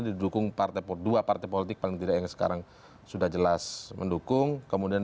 didukung partai kedua partai politik paling tidak yang sekarang sudah jelas mendukung kemudian